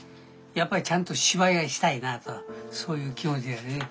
やっぱりちゃんと芝居がしたいなあとそういう気持ちやね。